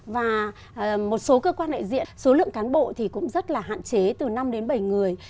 và một số cơ quan đại diện số lượng cán bộ thì cũng rất là hạn chế từ năm đến bảy người